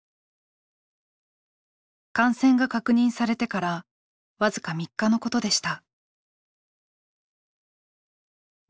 感染が確認されてから僅か３日のことでした。